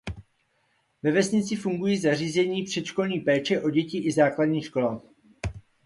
Ve vesnici fungují zařízení předškolní péče o děti i základní škola.